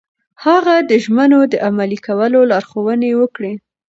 هغه د ژمنو د عملي کولو لارښوونې وکړې.